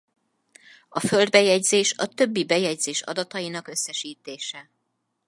A Föld bejegyzés a többi bejegyzés adatainak összesítése.